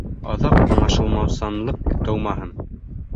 Аҙаҡ аңлашылмаусанлыҡ тыумаһын